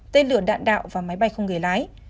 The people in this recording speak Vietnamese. tên lửa đạn đạo và máy bay không người lái